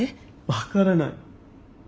分からない。